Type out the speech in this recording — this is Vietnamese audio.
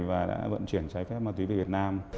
và đã vận chuyển trái phép ma túy về việt nam